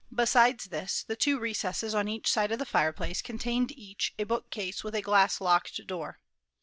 Besides this, the two recesses on each side of the fireplace contained each a bookcase with a glass locked door.